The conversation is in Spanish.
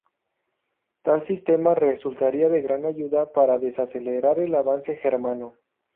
Tal sistema resultaría de gran ayuda para desacelerar el avance germano.